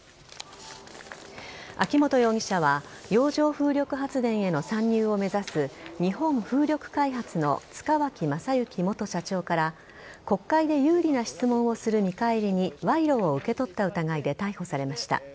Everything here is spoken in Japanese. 秋本容疑者は洋上風力発電への参入を目指す日本風力開発の塚脇正幸元社長から国会で有利な質問をする見返りに賄賂を受け取った疑いで逮捕されました。